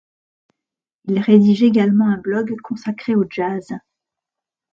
Il rédige également un blog consacré au jazz.